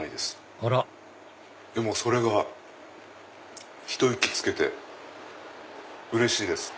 あらでもそれがひと息つけてうれしいです。